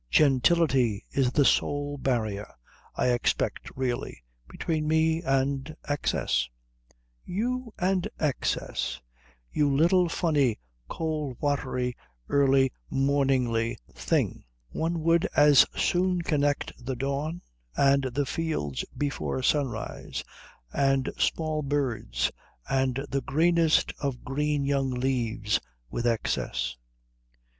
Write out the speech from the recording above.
"Gentility is the sole barrier, I expect really, between me and excess." "You and excess! You little funny, cold watery, early morningy thing. One would as soon connect the dawn and the fields before sunrise and small birds and the greenest of green young leaves with excess."